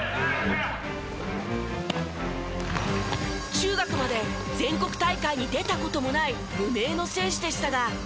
中学まで全国大会に出た事もない無名の選手でしたが。